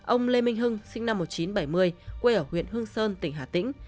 ông lê minh hưng sinh năm một nghìn chín trăm bảy mươi quê ở huyện hương sơn tỉnh hà tĩnh